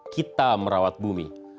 kita merawat bumi